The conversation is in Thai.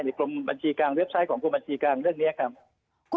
กรมบัญชีกลางเว็บไซต์ของกรมบัญชีกลางเรื่องนี้ครับ